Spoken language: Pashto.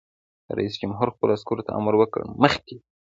رئیس جمهور خپلو عسکرو ته امر وکړ؛ مخکې!